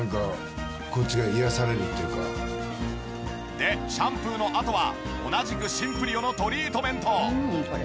でシャンプーのあとは同じくシンプリオのトリートメント。